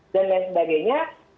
dan lain sebagainya